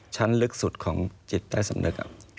ชั้นลึกสุดของจิตใต้สำนึก